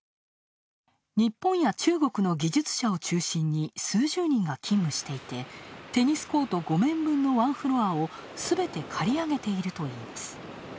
日本や中国の技術者を中心に数十人が勤務していてテニスコート５面分のワンフロアをすべて借り上げているといいます。